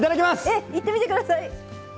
えっいってみてください！